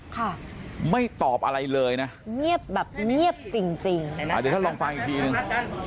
ค่ะไม่ตอบอะไรเลยนะเงียบแบบเงียบจริงอ่าเดี๋ยวเธอลองฟังอีกทีหนึ่ง